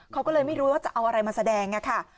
เขาก็เลยไม่รู้ว่าจะเอาอะไรมาแสดงค่ะ